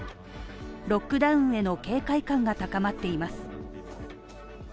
ロックダウンへの警戒感が高まっています。